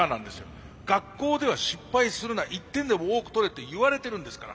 学校では「失敗するな１点でも多く取れ」って言われてるんですから。